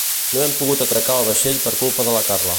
No hem pogut atracar el vaixell per culpa de la Carla